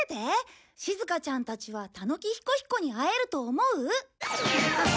しずかちゃんたちは田之木彦彦に会えると思う？